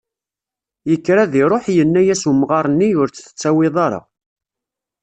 Yekker ad iruḥ yenna-as, umɣar-nni ur tt-tettawiḍ ara.